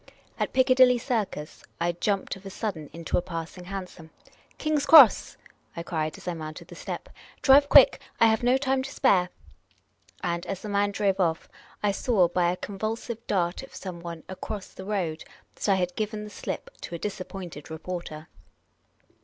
At Piccadilly Circus, I jumped of a sudden into a passing hansom. " King's Cross !" I cried, as I mounted the step. " Drive quick ! I have no time to spare." And, as the man drove off, I saw, by a convulsive dart of someone across the road, that I had given the slip to a disappointed reporter.